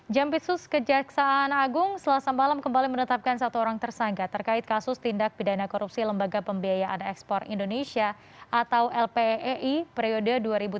jampitsus kejaksaan agung selasa malam kembali menetapkan satu orang tersangka terkait kasus tindak pidana korupsi lembaga pembiayaan ekspor indonesia atau lpee periode dua ribu tujuh belas dua ribu